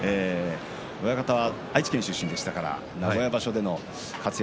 親方は愛知県出身でしたから、名古屋場所での活躍